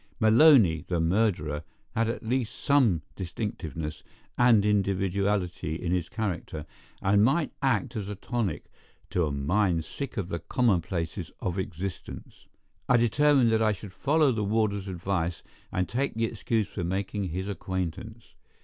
Maloney, the murderer, had at least some distinctiveness and individuality in his character, and might act as a tonic to a mind sick of the commonplaces of existence. I determined that I should follow the warder's advice, and take the excuse for making his acquaintance.